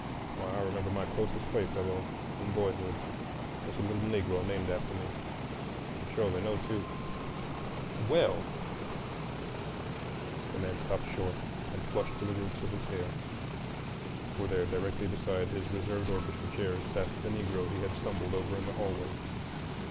Why, I remember my closest playfellow in boyhood was a little Negro named after me, and surely no two,—well!" The man stopped short and flushed to the roots of his hair, for there directly beside his reserved orchestra chairs sat the Negro he had stumbled over in the hallway.